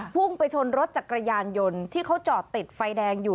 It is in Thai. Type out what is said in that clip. พุ่งไปชนรถจักรยานยนต์ที่เขาจอดติดไฟแดงอยู่